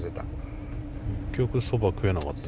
結局そば食えなかった。